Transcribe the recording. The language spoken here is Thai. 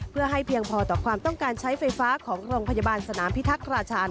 เพื่อให้เพียงพอต่อความต้องการใช้ไฟฟ้าของโรงพยาบาลสนามพิทักษ์ราชาญ